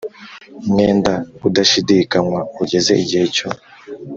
mwenda udashidikanywa ugeze igihe cyo